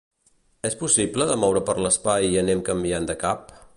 És possible de moure per l'espai i anem canviant de cap.